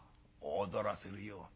「踊らせるよ。